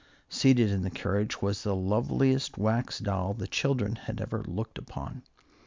Seated in the carriage was the loveliest Wax Doll the children had ever looked upon.